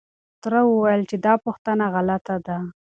تره وويل چې دا پوښتنه غلطه ده.